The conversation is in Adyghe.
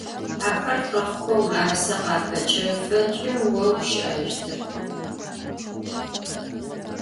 Axer khexhuxeu mı'erıse khapeç'efeç'e, vo vuşı'ejıştep.